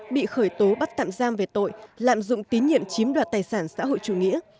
bị khởi tố bắt tạm giam về tội lạm dụng tín nhiệm chiếm đoạt tài sản xã hội chủ nghĩa